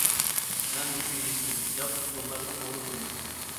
-مەن مۇشۇ يېزىدىن، ياقۇپ دوللارنىڭ ئوغلى بولىمەن.